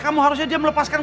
aku sudah selesai